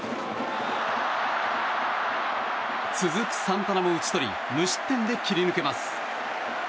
続くサンタナも打ち取り無失点で切り抜けます。